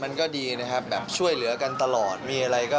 มันก็ดีนะครับยังช่วยเหลือกันตลอดต่อที่เคยข้ายงครับ